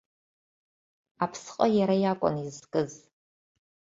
Аԥсҟы иара иакәын изкыз.